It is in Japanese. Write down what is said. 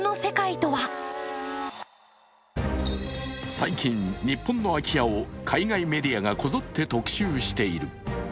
最近、日本の空き家を海外メディアがこぞって特集している。